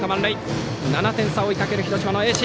７点差を追いかける広島の盈進。